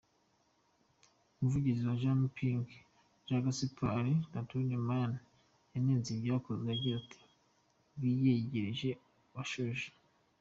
Umuvugizi wa Jean Ping, Jean-Gaspard Ntoutoume Emane yanenze ibyakozwe agira ati “ Biyegereje abashonji”.